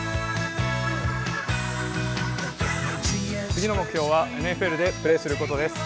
次の目標はＮＦＬでプレーすることです。